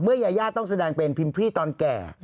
ยายาต้องแสดงเป็นพิมพรี่ตอนแก่